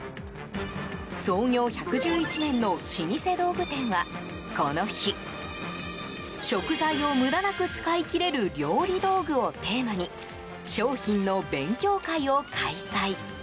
創業１１１年の老舗道具店はこの日食材を無駄なく使い切れる料理道具をテーマに商品の勉強会を開催。